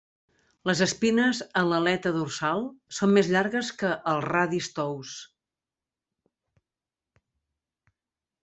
Les espines en l'aleta dorsal són més llargues que els radis tous.